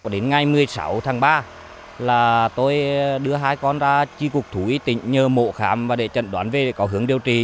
đến ngày một mươi sáu tháng ba tôi đưa hai con ra tri cục thú y tỉnh nhờ mộ khám để chận đoán về có hướng điều trị